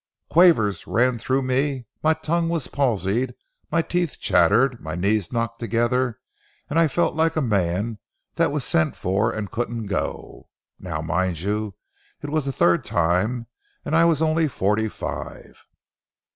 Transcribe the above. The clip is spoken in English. Quavers ran through me, my tongue was palsied, my teeth chattered, my knees knocked together, and I felt like a man that was sent for and couldn't go. Now, mind you, it was the third time and I was only forty five."